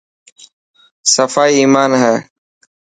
صفائي ايمان هي.